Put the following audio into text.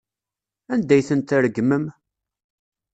Anda ay tent-tregmem?